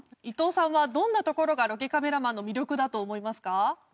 伊藤さんはどんなところがロケカメラマンの魅力だと思いますか？